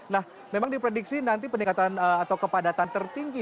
nah memang diprediksi nanti peningkatan atau kepadatan tertinggi